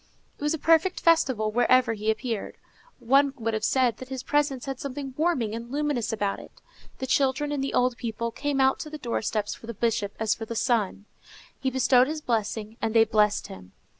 It was a perfect festival wherever he appeared. One would have said that his presence had something warming and luminous about it. The children and the old people came out to the doorsteps for the Bishop as for the sun. He bestowed his blessing, and they blessed him.